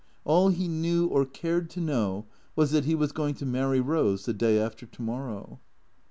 All he knew or cared to know was that he was going to marry Eose the day after to morrow.